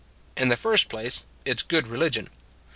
In the first place, it s good re ligion.